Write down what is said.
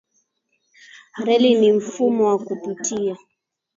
Reli ni mfumo wa kupitia.